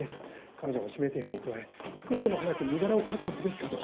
彼女も指名手配に加え少しでも早く身柄を確保すべきかと！